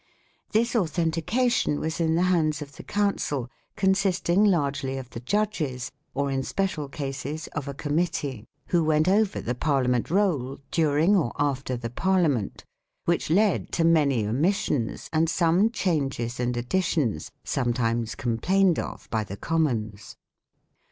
This authentication was in the hands of the Council, consisting largely of the judges, or in special cases of a committee ; who went over the Parliament Roll, during or after the Parliament; which led to many omissions and some changes and additions, sometimes complained of by the Commons.